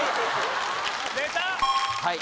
はい！